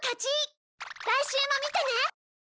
来週も見てね！